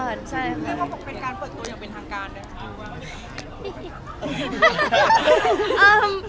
เป็นการเปิดตัวอย่างเป็นทางการ